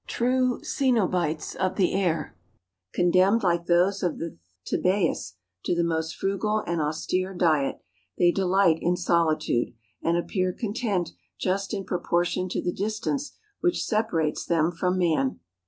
True cenobites of the air, condemned like those of the Thebais to the most frugal and austere diet, they delight in solitude, and appear content just in ANIMAL LIFE IN MOUNTAIN REGIONS. 315 proportion to the distance which separates them from man.